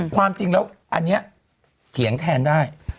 ความจริงแล้วอันนี้เถียงแทนได้